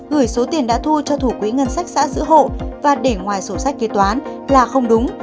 gửi số tiền đã thu cho thủ quỹ ngân sách xã giữ hộ và để ngoài sổ sách kế toán là không đúng